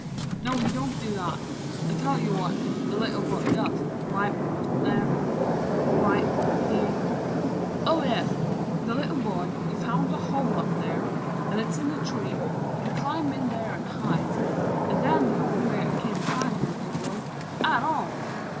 no he don't do that! I tell you what The Little Boy does: W'y, nen w'y, he Oh, yes The Little Boy he finds a hole up there 'At's in the tree an' climbs in there an' hides An' nen th' old Bear can't find the Little Boy At all!